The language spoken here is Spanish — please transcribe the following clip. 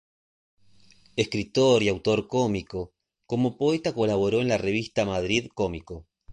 Escritor y autor cómico, como poeta colaboró en la revista "Madrid Cómico".